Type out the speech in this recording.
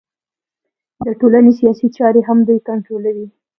د ټولنې سیاسي چارې هم دوی کنټرولوي